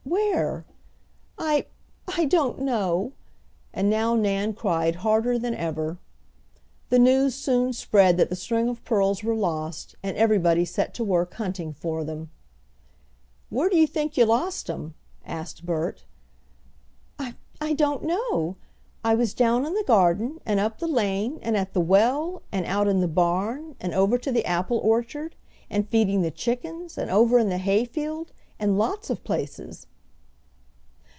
"Where?" "I I don't know," and now Nan cried harder than ever. The news soon spread that the string of pearls were lost, and everybody set to work hunting for them. "Where do you think you lost 'em?" asked Bert. "I I don't know. I was down in the garden, and up the lane, and at the well, and out in the barn, and over to the apple orchard, and feeding the chickens, and over in the hayfield, and lots of places."